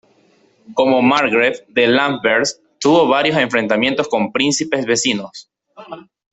Como margrave de Landsberg, tuvo varios enfrentamientos con príncipes vecinos.